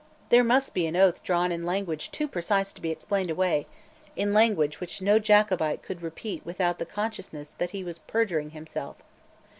There must be an oath drawn in language too precise to be explained away, in language which no Jacobite could repeat without the consciousness that he was perjuring himself.